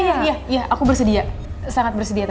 iya iya iya aku bersedia sangat bersedia tante